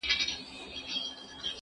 مړۍ د مور له خوا خوراک کيږي!؟